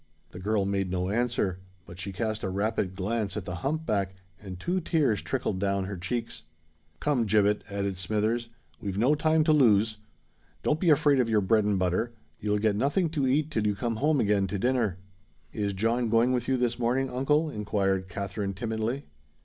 The girl made no answer; but she cast a rapid glance at the hump back, and two tears trickled down her cheeks. "Come, Gibbet," added Smithers; "we've no time to lose. Don't be afraid of your bread and butter: you'll get nothing to eat till you come home again to dinner." "Is John going with you this morning, uncle?" inquired Katherine timidly.